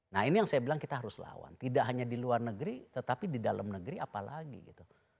nah ini yang saya bilang kita harus lawan tidak hanya di luar negeri tetapi di dalam negeri apalagi gitu